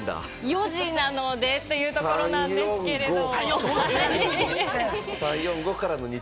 ４時なので、というとこですけれども。